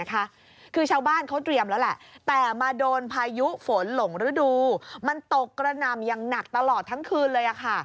คือชาวบ้านเขาเตรียมแล้วแหละ